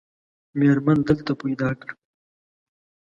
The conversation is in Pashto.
مېرمن دلته پیدا کړه.